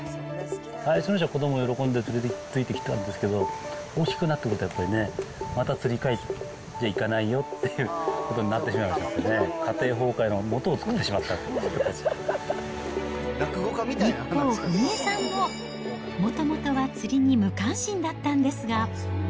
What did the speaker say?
最初のうちは子ども喜んでついてきたんですけど、大きくなってくるとやっぱりね、また釣りかい、じゃあ行かないよっていうことになってしまいまして、家庭崩壊の一方、文江さんも、もともとは釣りに無関心だったんですが。